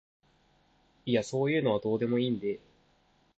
いやそういうのはどうでもいいんで